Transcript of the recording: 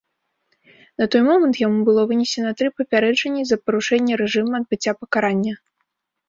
На той момант яму было вынесена тры папярэджанні за парушэнне рэжыма адбыцця пакарання.